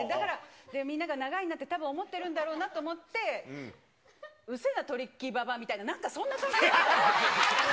みんなが長いなってたぶん思ってるんだろうなと思って、うっせーな、トリッキーばばあみたいな、なんかそんな感じで。